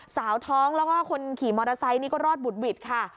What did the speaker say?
สาวท้องแล้วก็คนขี่มอเตอร์ไซค์นี่ก็รอดบุดหวิดค่ะ